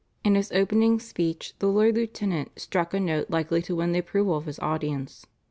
In his opening speech the Lord Lieutenant struck a note likely to win the approval of his audience.